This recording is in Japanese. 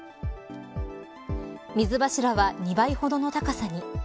水柱は、２倍ほどの高さに。